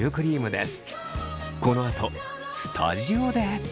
このあとスタジオで。